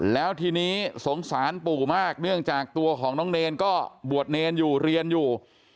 แล้วทีนี้สงสารปู่มากเนื่องจากตัวของน้องเนรก็บวชเนรอยู่เรียนอยู่